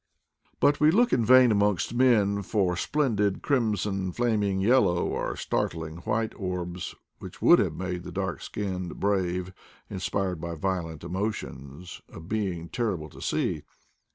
But we look in vain amongst men for the splen did crimson, flaming yellow, or startling white orbs which would have made the dark skinned brave, inspired by violent emotions, a being ter rible to see.